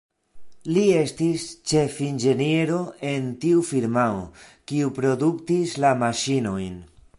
Li estis ĉefinĝeniero en tiu firmao, kiu produktis la maŝinojn.